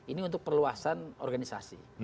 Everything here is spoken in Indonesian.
ini untuk perluasan organisasi